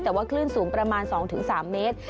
แต่ว่าคลื่นสูงประมาณสองถึงสามเมตร